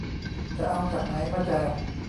จะเอาจากไหนมาแจก !